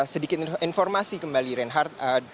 sedikit informasi kembali reinhardt